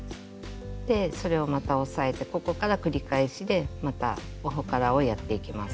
それをまた押さえてここから繰り返しでまたオホカラをやっていきます。